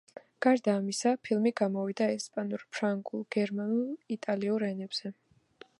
გარდა ამისა, ფილმი გამოვიდა ესპანურ, ფრანგულ, გერმანულ, იტალიურ ენებზე.